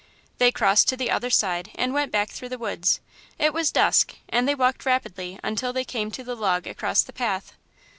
They crossed to the other side and went back through the woods. It was dusk, and they walked rapidly until they came to the log across the path.